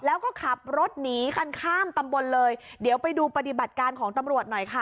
แล้วก็ขับรถหนีกันข้ามตำบลเลยเดี๋ยวไปดูปฏิบัติการของตำรวจหน่อยค่ะ